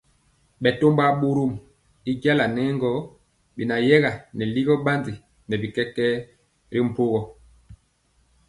Bɛtɔmba bɔrɔm y jala nɛ gɔ beyɛga nɛ ligɔ bandi nɛ bi kɛkɛɛ ri mpogɔ.